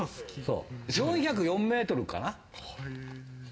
４０４ｍかな。